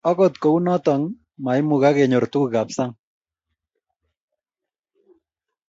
agot ko u noton maimungak kenyor tuguk ab sang